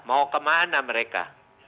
mau kemana mereka